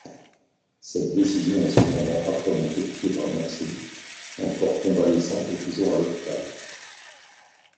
Cette décision est cependant âprement critiquée par Mercy, encore convalescent et toujours à l'hôpital.